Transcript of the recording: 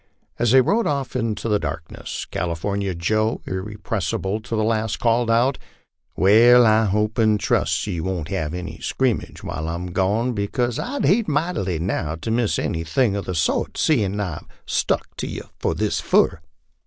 As they rode off in the darkness California Joe, ir repressible to the last, called out, " Wai, I hope an' trust yer won't have any scrimmage while I'm gone, because I'd hate mightily now to miss anything of the sort, seein' I've stuck to yer this fur."